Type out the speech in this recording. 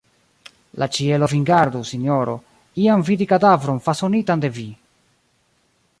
La ĉielo vin gardu, sinjoro, iam vidi kadavron fasonitan de vi!